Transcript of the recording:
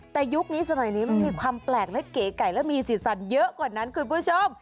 แต่ยุคนี้สมัยนี้มันมีความแปลกและเก๋ไก่และมีสีสันเยอะกว่านั้นคุณผู้ชม